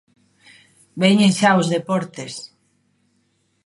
Veñen xa os deportes.